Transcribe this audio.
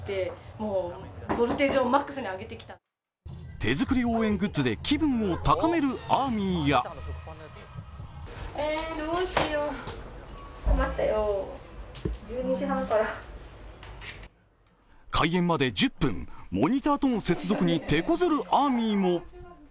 手作り応援グッズで気分を高めるＡＲＭＹや開演まで１０分、モニターとの接続に手こずるＡＲＭＹも。